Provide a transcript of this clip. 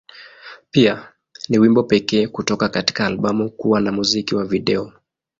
Pia, ni wimbo pekee kutoka katika albamu kuwa na muziki wa video.